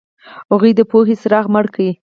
هغوی د پوهې څراغ مړ کړ.